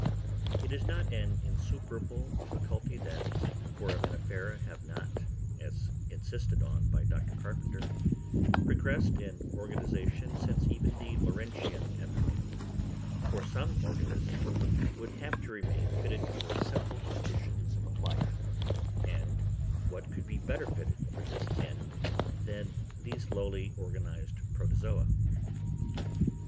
It is not an insuperable difficulty that Foraminifera have not, as insisted on by Dr. Carpenter, progressed in organisation since even the Laurentian epoch; for some organisms would have to remain fitted for simple conditions of life, and what could be better fitted for this end than these lowly organised Protozoa?